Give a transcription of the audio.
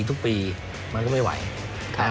ก็คือคุณอันนบสิงต์โตทองนะครับ